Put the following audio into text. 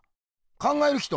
「考える人」！